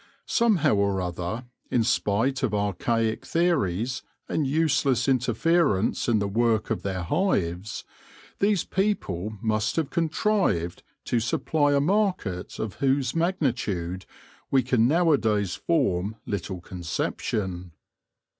Somehow or other, in spite of archaic theories and useless interference in the work of their hives, these people must have contrived to supply , a market of whose magnitude we can nowadays form little con ception.